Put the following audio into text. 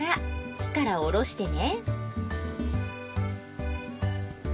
火からおろしてね